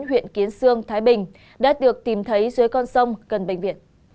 huyện kiến sương thái bình đã được tìm thấy dưới con sông gần bệnh viện